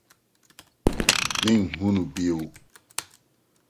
Merenhu no bio.